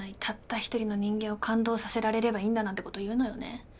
たった一人の人間を感動させられればいいんだ」なんてこと言うのよね。